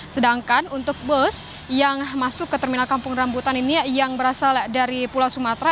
sedangkan untuk bus yang masuk ke terminal kampung rambutan ini yang berasal dari pulau sumatera